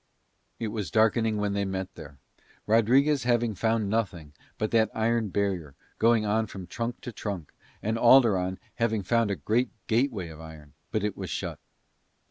It was darkening when they met there, Rodriguez having found nothing but that iron barrier going on from trunk to trunk, and Alderon having found a great gateway of iron; but it was shut.